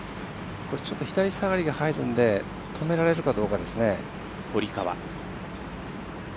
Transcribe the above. ちょっと左下がりに入るので止められるかどうかですね。